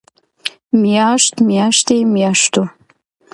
مياشت، مياشتې، مياشتو